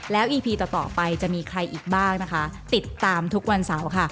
แล้วอีพีต่อไปจะมีใครอีกบ้างนะคะติดตามทุกวันเสาร์ค่ะ